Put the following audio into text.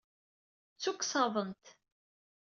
Ttuksaḍen-t.